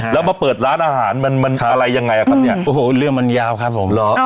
แล้วมาเปิดร้านอาหารมันมันอะไรยังไงอ่ะครับเนี่ยโอ้โหเรื่องมันยาวครับผมเหรอ